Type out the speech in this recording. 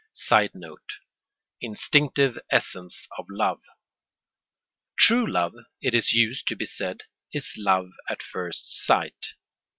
[Sidenote: Instinctive essence of love.] True love, it used to be said, is love at first sight.